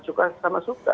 suka sama suka